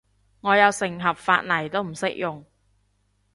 我有成盒髮泥都唔識用